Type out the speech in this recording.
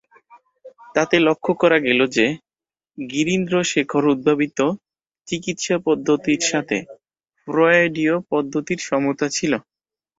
তাতে লক্ষ্য করা গেল যে, গিরীন্দ্রশেখর-উদ্ভাবিত চিকিৎসা পদ্ধতির সাথে ফ্রয়েডীয়-পদ্ধতির সমতা ছিল।